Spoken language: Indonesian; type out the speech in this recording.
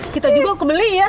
kita juga kebeli ya